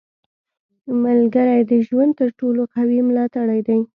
• ملګری د ژوند تر ټولو قوي ملاتړی دی.